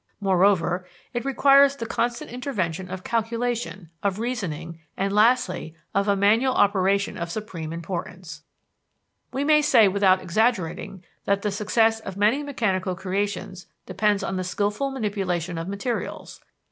Moreover, it requires the constant intervention of calculation, of reasoning, and lastly, of a manual operation of supreme importance. We may say without exaggerating that the success of many mechanical creations depends on the skillful manipulation of materials.